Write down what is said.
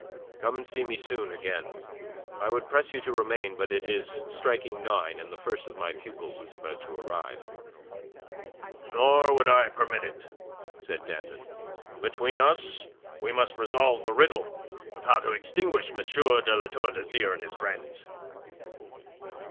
Come and see me soon again. I would press you to remain, but it is striking nine, and the first of my pupils is about to arrive." "Nor would I permit it," said Danton. "Between us we must resolve the riddle of how to extinguish M. de La Tour d'Azyr and his friends."